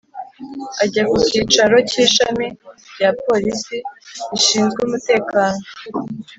akajya ku kicaro cy’ishami rya polisi rishinzwe umutekano